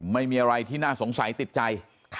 ไม่มีอะไรที่น่าสงสัยติดใจ